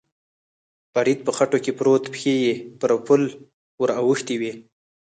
فرید په خټو کې پروت، پښې یې پر پل ور اوښتې وې.